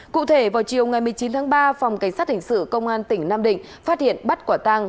cụ thể vào chiều ngày một mươi chín tháng ba phòng cảnh sát hình sự công an tỉnh nam định phát hiện bắt quả tàng